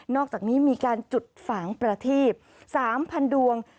อกจากนี้มีการจุดฝางประทีป๓๐๐ดวง